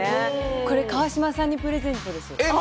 これ、川島さんにプレゼントです。